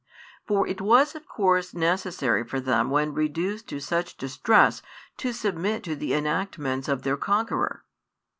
For it was of course necessary for them when reduced to such distress to submit to the enactments of their conqueror.